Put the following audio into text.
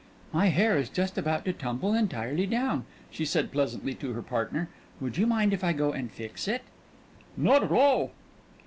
"My hair is just about to tumble entirely down," she said pleasantly to her partner; "would you mind if I go and fix it?" "Not at all."